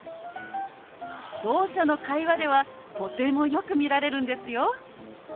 ろう者の会話ではとてもよく見られるんですよ。